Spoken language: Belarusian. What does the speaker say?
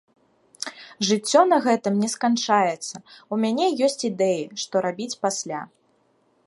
Жыццё на гэтым не сканчаецца, у мяне ёсць ідэі, што рабіць пасля.